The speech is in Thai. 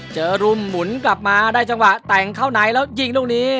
กลุ่มหมุนกลับมาได้จังหวะแต่งเข้าไหนแล้วยิงลูกนี้